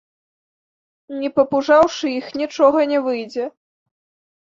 Не папужаўшы іх, нічога не выйдзе.